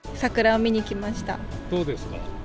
どうですか？